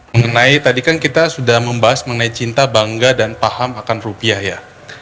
mengenai tadi kan kita sudah membahas mengenai cinta bangga dan paham akan rupiah ya